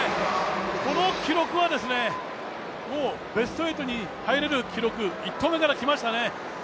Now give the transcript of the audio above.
この記録はベスト８に入れる記録、１投目から来ましたね。